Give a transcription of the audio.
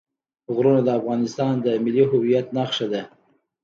غرونه د افغانستان د ملي هویت نښه ده.